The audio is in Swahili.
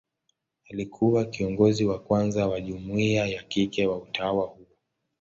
Alikuwa kiongozi wa kwanza wa jumuia ya kike wa utawa huo.